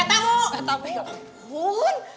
eh tapi ya ampun